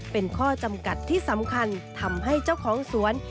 เป็นข้อจำกัดที่สำคัญทำให้เจ้าของสวน